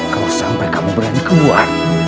kalau sampai kamu berani keluar